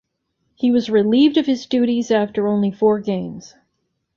He was relieved of his duties after only four games.